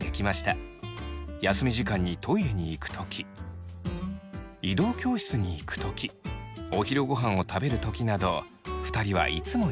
休み時間にトイレに行く時移動教室に行く時お昼ごはんを食べる時など２人はいつも一緒。